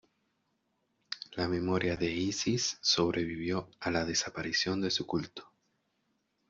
La memoria de Isis sobrevivió a la desaparición de su culto.